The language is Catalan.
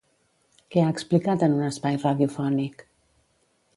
Què ha explicat en un espai radiofònic?